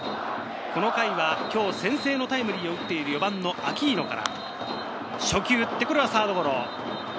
この回は今日先制タイムリーを打っている４番・アキーノから初球を打ってサードゴロ。